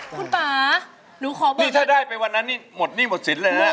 คุณป่านี่ถ้าได้ไปวันนั้นหมดนี่หมดศิลป์เลยนะ